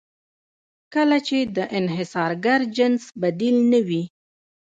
کله چې د انحصارګر جنس بدیل نه وي.